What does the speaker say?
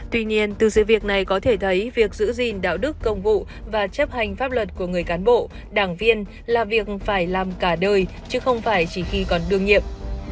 tuy nhiên từ sự việc này có thể thấy việc giữ gìn đạo đức công vụ và chấp hành pháp luật của người cán bộ đảng viên là việc phải làm cả đời chứ không phải chỉ khi còn đương nhiệm